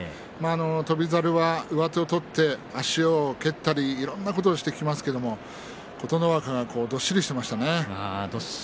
翔猿上手を取って足を蹴ったりいろんなことをしてきますけれども琴ノ若がどっしりしていましたね。